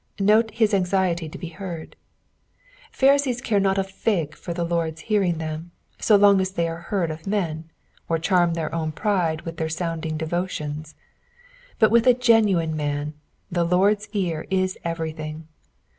Note hia anxiety to be heard. FhariHcea care not a flg for the Lord's hearing them, so long as they are heard of men, or charm their own pride with their sounding devotions ; but with a genuine man, the Lord's ear is everything.